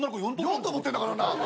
４頭持ってんだからな。